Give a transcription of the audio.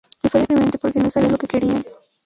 Y fue deprimente, porque no sabía lo que querían".